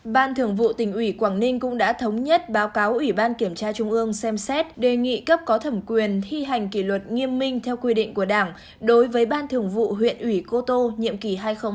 ban thường vụ tỉnh ủy quảng ninh cũng đã thống nhất báo cáo ủy ban kiểm tra trung ương xem xét đề nghị cấp có thẩm quyền thi hành kỷ luật nghiêm minh theo quy định của đảng đối với ban thường vụ huyện ủy cô tô nhiệm kỳ hai nghìn một mươi năm hai nghìn hai mươi